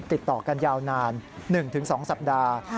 ติดต่อกันยาวนาน๑๒สัปดาห์